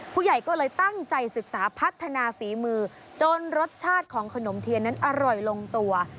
ผู้ใหญ่ก็เลยตั้งใจศึกษาพัฒนาฝีมือจนรสชาติของขนมเทียนนั้นอร่อยลงตัว